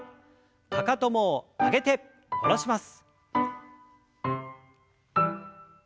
かかとも上げて下ろします。